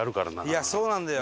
いやそうなんだよ。